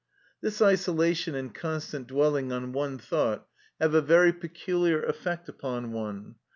This isolation and constant dwelling on one thought have a very peculiar effect upon one.